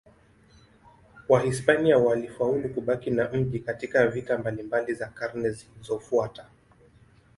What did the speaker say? Wahispania walifaulu kubaki na mji katika vita mbalimbali za karne zilizofuata.